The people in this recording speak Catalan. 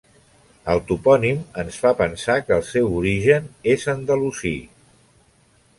El topònim ens fa pensar que el seu origen és andalusí.